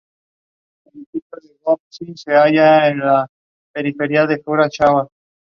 This "Villa Tidenheim" was equated with the Old Town, called "Dietigheim".